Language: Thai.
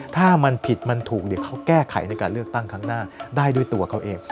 ถ้ามันผิดมันถูกเดี๋ยวเขาแก้ไขในการเลือกตั้งครั้งหน้าได้ด้วยตัวเขาเอง